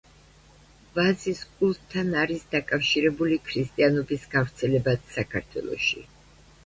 ვაზის კულტთან არის დაკავშირებული ქრისტიანობის გავრცელებაც საქართველოში.